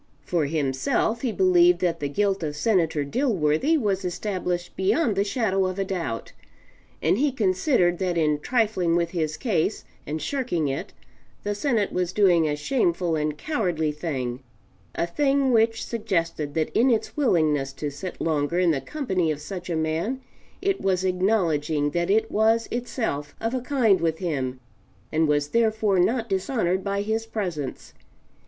For himself, he believed that the guilt of Senator Dilworthy was established beyond the shadow of a doubt; and he considered that in trifling with his case and shirking it the Senate was doing a shameful and cowardly thing a thing which suggested that in its willingness to sit longer in the company of such a man, it was acknowledging that it was itself of a kind with him and was therefore not dishonored by his presence.